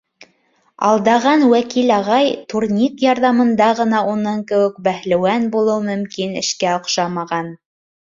Алдаған Вәкил ағай, турник ярҙамында ғына уның кеүек бәһлеүән булыу мөмкин эшкә оҡшамаған.